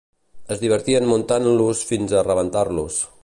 Es divertien muntant-los fins a rebentar-los.